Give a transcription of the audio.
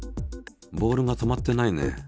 ボールが止まってないね。